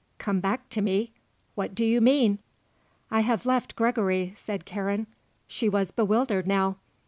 "Come back to me? What do you mean?" "I have left Gregory," said Karen. She was bewildered now.